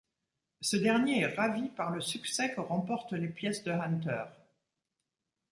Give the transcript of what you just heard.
Ce dernier est ravi par le succès que remportent les pièces de Hunter.